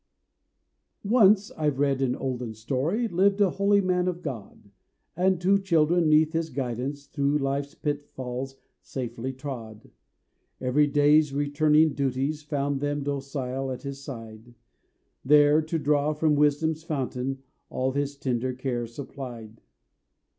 Once I've read in olden story Lived a holy man of God, And two children, 'neath his guidance, Through life's pitfalls safely trod. Every day's returning duties Found them docile at his side, There to draw from Wisdom's fountain All his tender care supplied.